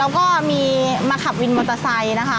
แล้วก็มีมาขับวินมอเตอร์ไซค์นะคะ